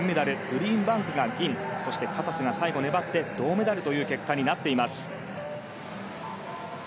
グリーンバンクが銀カサスが最後粘って銅メダルという結果になっています。